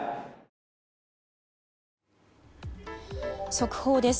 速報です。